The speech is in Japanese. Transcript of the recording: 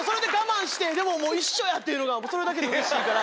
でも一緒やっていうのがそれだけでうれしいから。